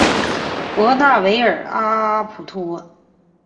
博纳维尔阿普托。